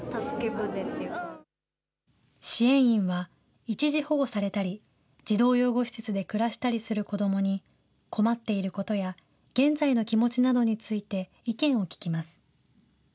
支援員は一時保護されたり、児童養護施設で暮らしたりする子どもに、困っていることや、現在の気持ちなどについて意見を聴きます。